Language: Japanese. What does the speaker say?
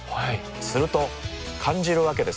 すると感じるわけです。